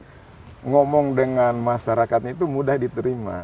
jadi maka di masyarakat ini ngomong dengan masyarakat itu mudah diterima